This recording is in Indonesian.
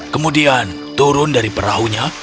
kemudian turun dari perahunya